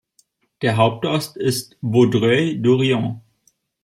Der Hauptort ist Vaudreuil-Dorion.